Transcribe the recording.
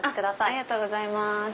ありがとうございます。